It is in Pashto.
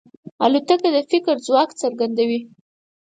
الوتکه د فکر ځواک څرګندوي.